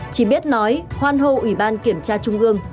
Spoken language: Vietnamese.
chỉ biết nói hoan hô ủy ban kiểm tra trung ương